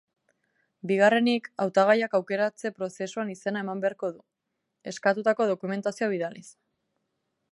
Bigarrenik, hautagaiak aukeratze-prozesuan izena eman beharko du, eskatutako dokumentazioa bidaliz.